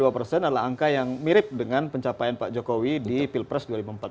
dua puluh dua persen adalah angka yang mirip dengan pencapaian pak jokowi di pilpres dua ribu empat belas